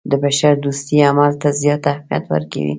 د بشردوستۍ عمل ته زیات اهمیت ورکوي.